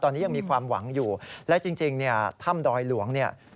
ตอนนี้ยังมีความหวังอยู่และจริงเนี่ยถ้ำดอยหลวงเนี่ย